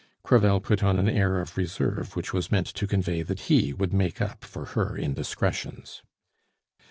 Crevel put on an air of reserve which was meant to convey that he would make up for her indiscretions.